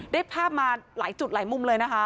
ได้ภาพมาหลายจุดหลายมุมเลยนะคะ